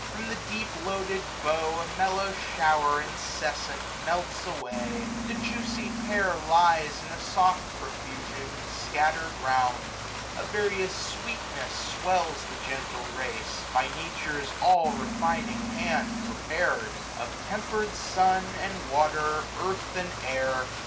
From the deep loaded bough a mellow shower Incessant melts away. The juicy pear 630 Lies, in a soft profusion, scattered round. A various sweetness swells the gentle race j By Nature's all refining hand prepared ; Of temper'd sun, and water, earth, and air.